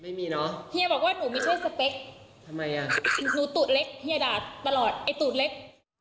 ไม่มีเนอะเฮียบอกว่าหนูไม่ชอบสเปคทำไมอ่ะหนูตูดเล็กเฮียด่าตลอดไอ้ตูดเล็ก